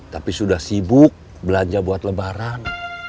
tapi sudah sibuk belanja buat lebaran